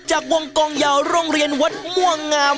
จากวงกองยาวโรงเรียนวัดม่วงงาม